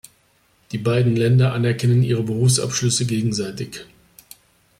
Die beiden Länder anerkennen ihre Berufsabschlüsse gegenseitig.